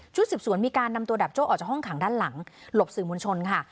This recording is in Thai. สืบสวนมีการนำตัวดับโจ้ออกจากห้องขังด้านหลังหลบสื่อมวลชนค่ะ